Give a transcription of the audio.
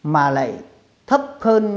mà lại thấp hơn